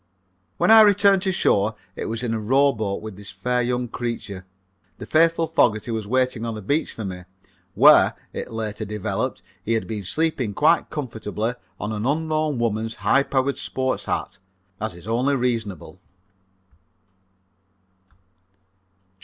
When I returned to shore it was in a rowboat with this fair young creature. The faithful Fogerty was waiting on the beach for me, where, it later developed, he had been sleeping quite comfortably on an unknown woman's high powered sport hat, as is only reasonable.